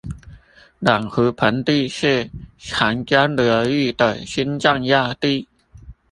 兩湖盆地是長江流域的心臟要地